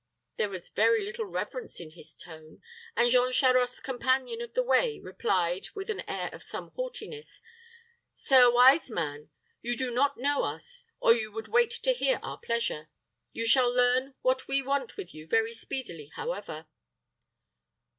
There was very little reverence in his tone, and Jean Charost's companion of the way replied, with an air of some haughtiness, "Sir wise man, you do not know us, or you would wait to hear our pleasure. You shall learn what we want with you very speedily, however."